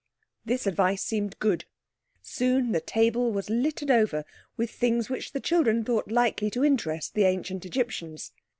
This advice seemed good. Soon the table was littered over with things which the children thought likely to interest the Ancient Egyptians.